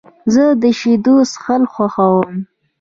زه د شیدو څښل خوښوم.